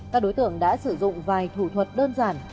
các đối tượng đã sử dụng vài thủ thuật đơn giản